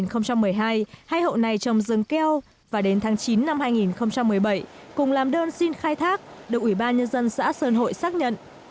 năm hai nghìn một mươi hai hai hộ này trồng rừng keo và đến tháng chín năm hai nghìn một mươi bảy cùng làm đơn xin khai thác được ubnd xã sơn hội xác nhận